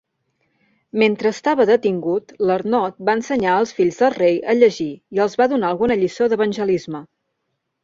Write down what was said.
Mentre estava detingut, l'Arnot va ensenyar als fills del rei a llegir i els va donar alguna lliçó d'evangelisme.